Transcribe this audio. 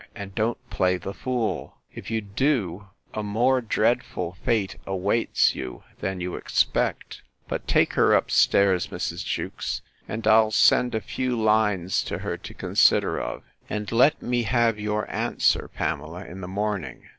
and don't play the fool: If you do, a more dreadful fate awaits you than you expect. But take her up stairs, Mrs. Jewkes, and I'll send a few lines to her to consider of; and let me have your answer, Pamela, in the morning.